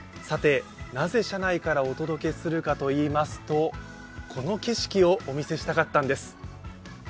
さて、なぜ車内からお届けするかといいますとこの景色をお見せしたかったんです。